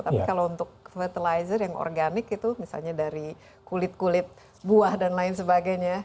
tapi kalau untuk fertilizer yang organik itu misalnya dari kulit kulit buah dan lain sebagainya